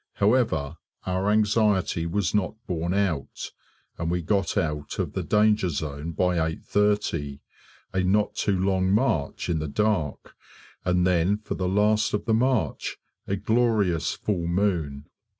However, our anxiety was not borne out, and we got out of the danger zone by 8.30 a not too long march in the dark, and then for the last of the march a glorious full moon.